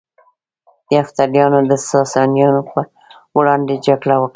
یفتلیانو د ساسانیانو پر وړاندې جګړه وکړه